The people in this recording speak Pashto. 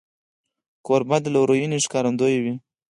کوربه د لورینې ښکارندوی وي.